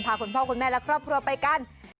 คุณพ่อคุณแม่และครอบครัวไปกัน